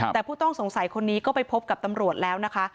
แต่ผู้ต้องสงสัยคนนี้ก็ไปพบกับตำรวจแล้วนะคะ